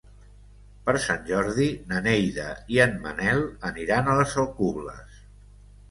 Per Sant Jordi na Neida i en Manel aniran a les Alcubles.